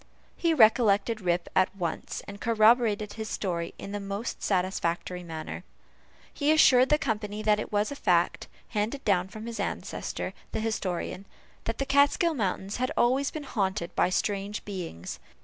He recollected Rip at once, and corroborated his story in the most satisfactory manner. He assured the company that it was a fact, handed down from his ancestor, the historian, that the Kaatskill mountains had always been haunted by strange beings.